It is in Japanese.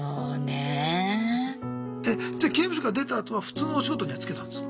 えじゃあ刑務所から出たあとは普通のお仕事には就けたんですか？